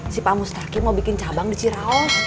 si pak mustarki mau bikin cabang di ciraos